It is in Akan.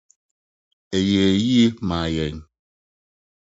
Ɛyɛɛ Yiye Maa Yɛn